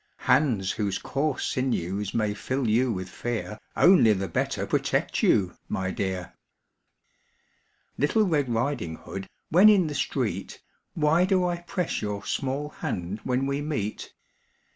Hands whose coarse sinews may fill you with fear Only the better protect you, my dear! Little Red Riding Hood, when in the street, Why do I press your small hand when we meet?